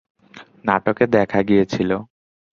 নাটকে দেখা গিয়েছিলো।